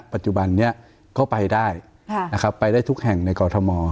ปัจจุบันนี้ก็ไปได้นะครับไปได้ทุกแห่งในกรทม